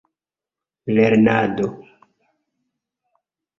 lernado